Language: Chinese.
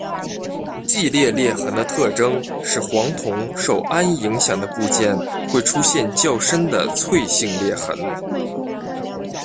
季裂裂痕的特征是黄铜受氨影响的部件会出现较深的脆性裂痕。